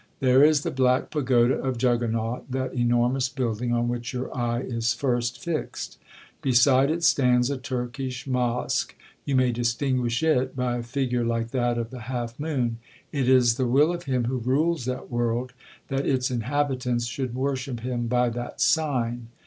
—There is the black pagoda of Juggernaut, that enormous building on which your eye is first fixed. Beside it stands a Turkish mosque—you may distinguish it by a figure like that of the half moon. It is the will of him who rules that world, that its inhabitants should worship him by that sign.